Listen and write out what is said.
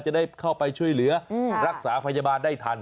จะได้เข้าไปช่วยเหลือรักษาพยาบาลได้ทัน